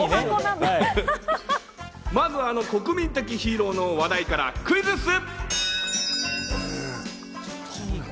まずはあの国民的ヒーローの話題からクイズッス！